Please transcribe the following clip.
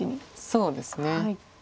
そうですね。